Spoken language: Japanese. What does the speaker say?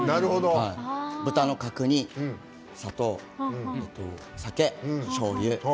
豚の角煮、砂糖酒、しょうゆ。